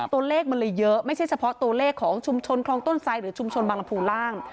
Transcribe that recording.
ตัวเลขมันเลยเยอะไม่ใช่เฉพาะตัวเลขของชุมชนคลองต้นไซดหรือชุมชนบางลำพูล่าง